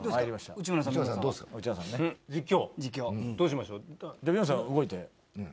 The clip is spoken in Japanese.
実況どうしましょう。